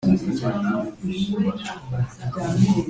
Ashingiye ku itegeko shingiro rya repubulika y u rwanda